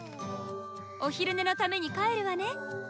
お昼寝のために帰るわね。